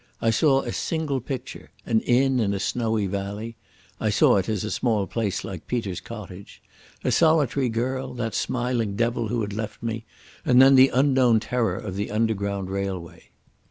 I saw a single picture—an inn in a snowy valley (I saw it as a small place like Peter's cottage), a solitary girl, that smiling devil who had left me, and then the unknown terror of the Underground Railway.